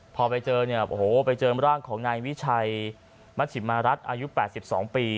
พอไปเจอเนี่ยโอ้โหไปเจอร่างของนายวิชัยมัชิมารัฐอายุ๘๒ปี